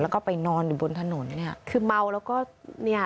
แล้วก็ไปนอนอยู่บนถนนเนี่ย